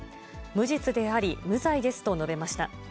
無実であり、無罪ですと述べました。